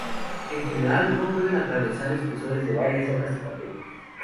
En general no pueden atravesar espesores de varias hojas de papel.